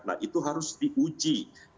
nah itu harus diuji